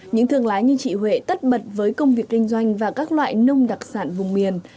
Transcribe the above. những thương lái như chị huệ tất bật với công việc kinh doanh và các loại nông đặc sản vùng miền